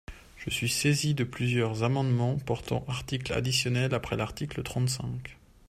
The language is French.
Je suis saisie de plusieurs amendements portant article additionnel après l’article trente-cinq.